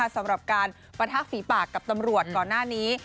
สำหรับการปะทะฝีปากกับตำรวจก่อนหน้านี้